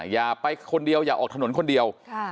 อย่าไปคนเดียวอย่าออกถนนคนเดียว